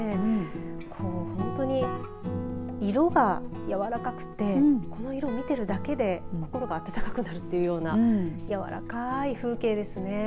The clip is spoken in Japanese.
本当に色がやわらかくてこの色を見ているだけで心が温かくなるというようなやわらかい風景ですよね。